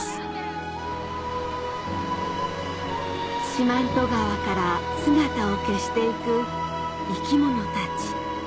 四万十川から姿を消していく生き物たち